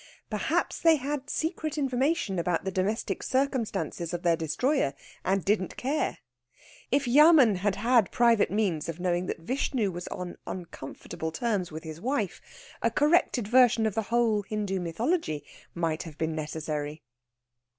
Perhaps they had secret information about the domestic circumstances of their destroyer, and didn't care. If Yamen had had private means of knowing that Vishnu was on uncomfortable terms with his wife, a corrected version of the whole Hindu mythology might have been necessary.